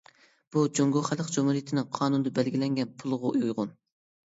بۇ جۇڭگو خەلق جۇمھۇرىيىتىنىڭ قانۇندا بەلگىلەنگەن پۇلىغا ئۇيغۇن.